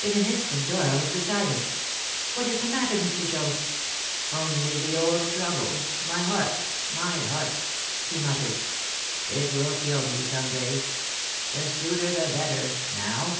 In an instant Dora was beside him. "What is the matter, Mr. Joad?" "Only the old trouble my heart, my heart," he muttered; "it will kill me some day. The sooner the better now."